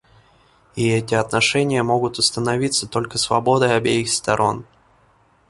И эти отношения могут установиться только свободой обеих сторон.